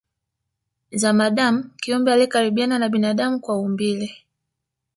Zamadamu kiumbe aliyekaribiana na binadamu kwa umbile